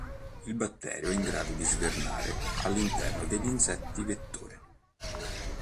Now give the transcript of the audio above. Il batterio è in grado di svernare all'interno degli insetti vettore.